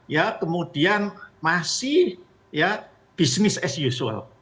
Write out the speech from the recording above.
ya kemudian masih ya business as usual